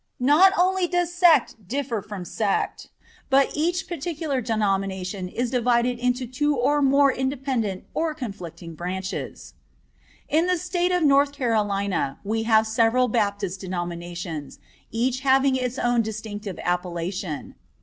Not only does sect differ from sect, but each particular denomination is divided into two or more independent or conflicting branches. In the State of North Carolina we have several Baptist denominations, each having its own distinctive appellation.